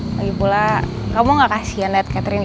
lagipula kamu gak kasihan liat catherine